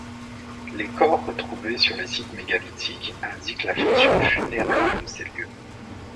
Les corps retrouvés sur les sites mégalithiques indiquent la fonction funéraire de ces lieux.